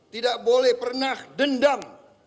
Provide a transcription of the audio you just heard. tidak boleh pernah dendam